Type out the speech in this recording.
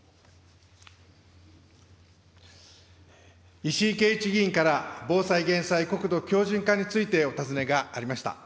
石井啓一議員から防災・減災・国土強じん化についてお尋ねがありました。